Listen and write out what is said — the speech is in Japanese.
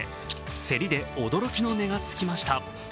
競りで驚きの値がつきました。